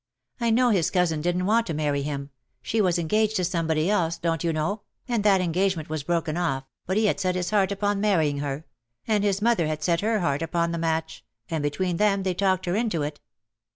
I know his cousin didn't want to marry him — she was engaged to somebody else, don^t you know, and that engagement was broken off, but he had set his heart upon marrying her — and his mother had set her heart upon the match — and between them they talked her into it.